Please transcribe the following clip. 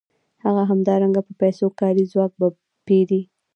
هغه همدارنګه په پیسو کاري ځواک پېري